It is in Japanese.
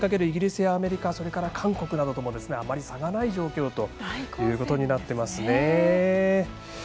イギリスやアメリカそれから韓国などともあまり差がない状況ということになってますね。